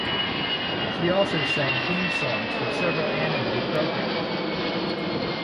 She also sang theme songs for several anime programs.